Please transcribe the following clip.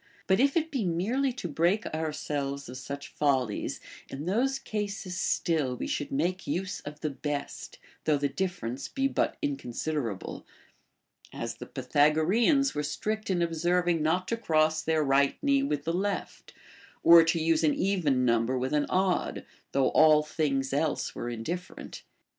But if it be merely to break ourselves of such follies, in those cases still \ve should make use of the best, though the difference be but inconsiderable ; as the Pythagoreans were strict in observing not to cross their right knee with the left, or to use an even number with an odd, though all things else were indiiferent.